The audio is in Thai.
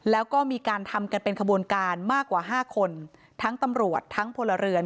แล้วก็มีการทำกันเป็นขบวนการมากกว่าห้าคนทั้งตำรวจทั้งพลเรือน